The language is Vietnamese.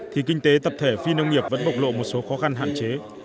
thì kinh tế tập thể phi nông nghiệp vẫn bộc lộ một số khó khăn hạn chế